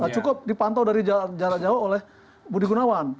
cukup dipantau dari jalan jalan jauh oleh budi gunawan